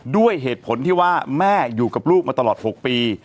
ด้วยเหตุผลที่ว่าแม่อยู่กับลูกมาตลอด๖ปี